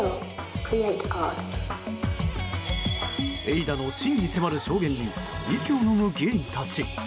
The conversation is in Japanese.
エイダの真に迫る証言に息をのむ議員たち。